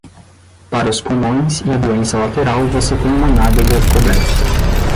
Para os pulmões e a doença lateral, você tem uma nádega coberta.